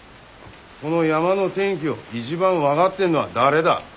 この山の天気を一番分がってんのは誰だ？